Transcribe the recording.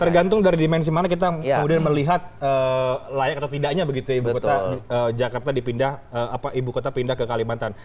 tergantung dari dimensi mana kita kemudian melihat layak atau tidaknya begitu ya ibu kota jakarta dipindah ke kalimantan